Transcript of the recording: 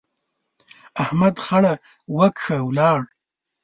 احمد خړه وکښه، ولاړ.